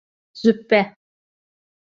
Züppe.